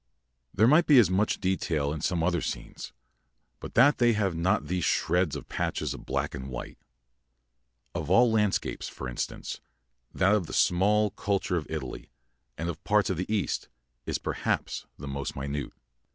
] There might be as much detail in some other scenes, but that they have not these shreds and patches of black and white. Of all landscape, for instance, that of the small culture of Italy and of parts of the East is, perhaps, the most minute.